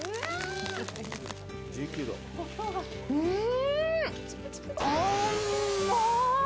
うん！